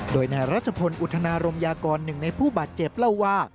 โดยนายรัชพลอุทนารมยากรหนึ่งในผู้บาดเจ็บเล่าว่า